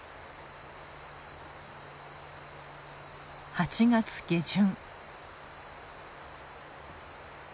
８月下旬。